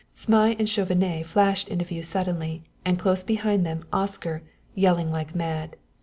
Zmai and Chauvenet flashed into view suddenly, and close behind them, Oscar, yelling like mad.